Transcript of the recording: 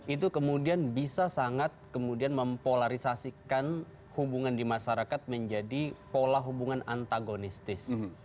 itu kemudian bisa sangat kemudian mempolarisasikan hubungan di masyarakat menjadi pola hubungan antagonistis